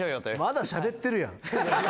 まだしゃべってるやん。